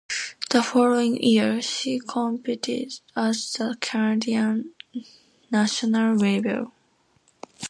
The following year, she competed at the Canadian national level.